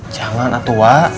jangan atu wa